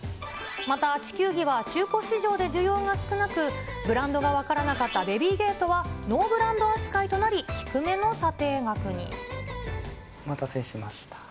また地球儀は中古市場で需要が少なく、ブランドが分からなかったベビーゲートは、ノーブランド扱いとなお待たせしました。